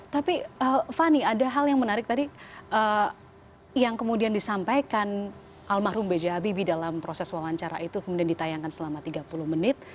tapi fani ada hal yang menarik tadi yang kemudian disampaikan almarhum b j habibie dalam proses wawancara itu kemudian ditayangkan selama tiga puluh menit